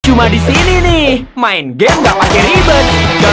cuma disini nih main game gak pake ribet